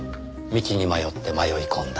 道に迷って迷い込んだ。